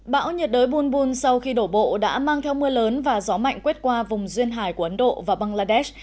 bão nhiệt đới bùn bùn sau khi đổ bộ đã mang theo mưa lớn và gió mạnh quét qua vùng duyên hải của ấn độ và bangladesh